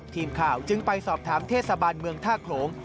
ทีมข่าวจึงไปสอบถามเทศบาลเมืองท่าโขลง